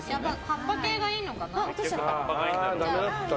葉っぱ系がいいのかな。